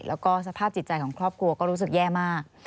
แล้วก็สภาพจิตใจของครอบครัวก็รู้สึกแย่มาก